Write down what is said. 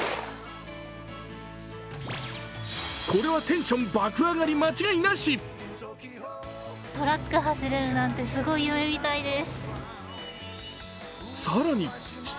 これはテンション爆上がり間違いなし。